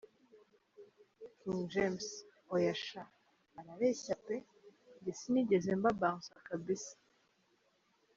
King James: Oya sha barabeshya pee, njye sinigeze mba Bouncer kabisa.